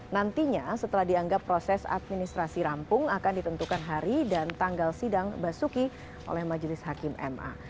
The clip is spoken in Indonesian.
nantinya setelah dianggap proses administrasi rampung akan ditentukan hari dan tanggal sidang basuki oleh majelis hakim ma